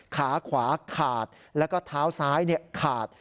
ขาขวาขาดแล้วก็เท้าซ้ายขาด